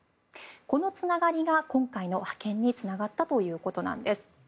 このつながりが今回の派遣につながったということなんです。